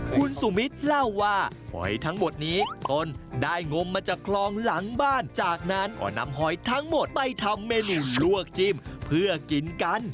คุณสุมิทเล่าว่าหอยทั้งหมดนี้ตนได้งมมาจากคลองหลังบ้าน